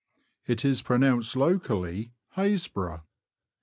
It is pronounced locally, Haisbra'.